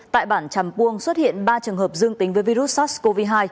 tại bản trầm cuông xuất hiện ba trường hợp dương tính với virus sars cov hai